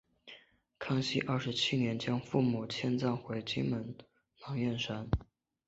康熙二十七年将父母迁葬回金门兰厝山。